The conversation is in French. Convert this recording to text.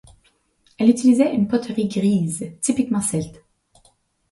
Elle utilisait une poterie grise typiquement celte.